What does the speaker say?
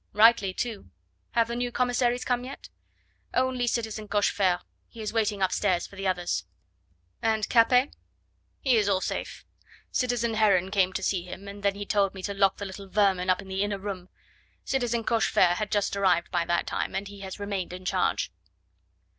"Rightly too. Have the new commissaries come yet? "Only citizen Cochefer. He is waiting upstairs for the others." "And Capet?" "He is all safe. Citizen Heron came to see him, and then he told me to lock the little vermin up in the inner room. Citizen Cochefer had just arrived by that time, and he has remained in charge."